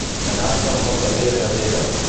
Anar-se'n pel camí de Caseres.